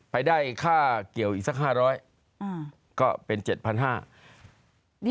ไปได้ค่าเกี่ยวอีกสัก๕๐๐ก็เป็น๗๕๐๐บาท